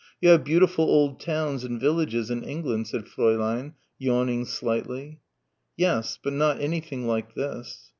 "You have beautiful old towns and villages in England," said Fräulein, yawning slightly. "Yes but not anything like this."